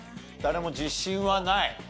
誰も自信はない。